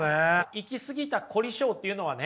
行き過ぎた凝り性っていうのはね